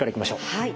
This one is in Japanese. はい。